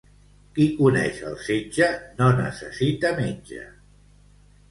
Qui coneix el setge no necessita metge.